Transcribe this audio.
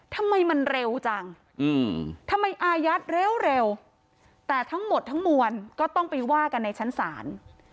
ทำไมมันเร็วจังทำไมอายัดเร็วแต่ทั้งหมดทั้งมวลก็ต้องไปว่ากันในชั้นศาล